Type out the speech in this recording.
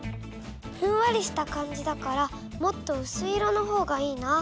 ふんわりした感じだからもっとうすい色のほうがいいな。